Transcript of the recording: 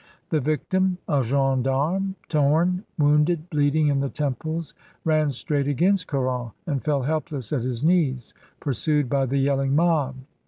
The victim, a gendarme^ torn, wounded, bleeding in the temples, ran straight against Caron, and fell helpless at his knees, pursued by the yelling mob.